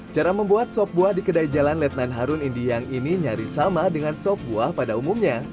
cara membuat sop buah di kedai jalan letnan harun indiang ini nyaris sama dengan sop buah pada umumnya